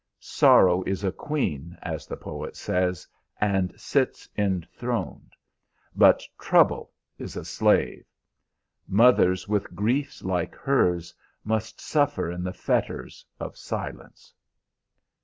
Sorrow is a queen, as the poet says, and sits enthroned; but Trouble is a slave. Mothers with griefs like hers must suffer in the fetters of silence.